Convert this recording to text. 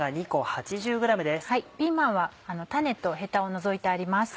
ピーマンは種とヘタを除いてあります。